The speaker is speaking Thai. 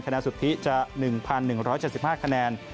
คะแนนสุดที่จะ๑๑๗๕คะแนน